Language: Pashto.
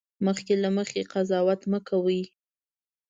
مخکې له مخکې قضاوت مه کوئ